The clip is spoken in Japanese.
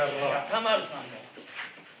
田丸さんも。